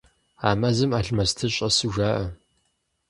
А мэзым алмэсты щӏэсу жаӏэ.